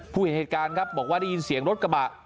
เห็นเหตุการณ์ครับบอกว่าได้ยินเสียงรถกระบะ